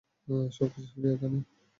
সবকিছু ফ্রি এখানে।